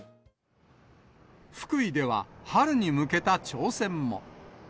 腹囲では春に向けた挑戦も。